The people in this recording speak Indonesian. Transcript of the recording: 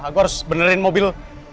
aku harus benerin mobil